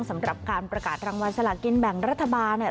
สำหรับการประกาศรางวัลสลากินแบ่งรัฐบาลเนี่ย